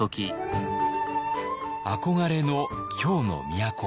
憧れの京の都。